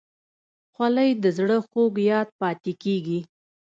خولۍ د زړه خوږ یاد پاتې کېږي.